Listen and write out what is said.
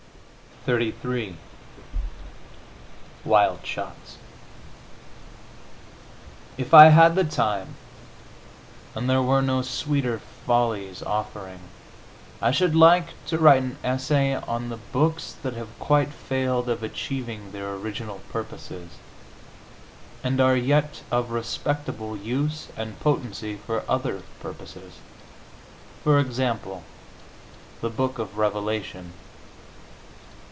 XXXIII WILD SHOTS If I had the time, and there were no sweeter follies offering, I should like to write an essay on the books that have quite failed of achieving their original purposes, and are yet of respectable use and potency for other purposes. For example, the Book of Revelation.